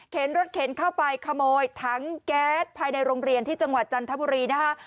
รถเข็นเข้าไปขโมยถังแก๊สภายในโรงเรียนที่จังหวัดจันทบุรีนะคะ